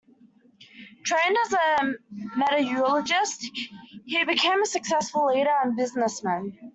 Trained as a metallurgist, he became a successful leader and businessman.